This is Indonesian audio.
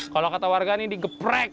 kalau kata warga ini digeprek